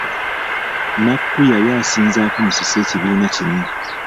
Nnakku yali asinzaako Musisi ekibiina kimu.